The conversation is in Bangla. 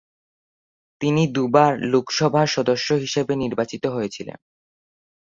তিনি দুবার লোকসভার সদস্য হিসেবে নির্বাচিত হিয়েছিলেন।